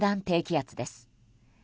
低気圧です。